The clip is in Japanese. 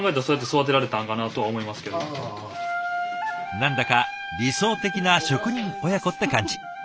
何だか理想的な職人親子って感じ。